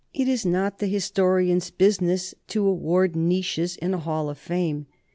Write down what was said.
It is not the histo rian's business to award niches in a hall of fame.